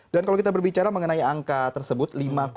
dan kalau kita berbicara mengenai angka tersebut lima enam